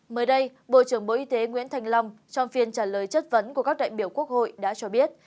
mới đây bộ trưởng bộ y tế nguyễn thành long trong phiên trả lời chất vấn của các đại biểu quốc hội đã cho biết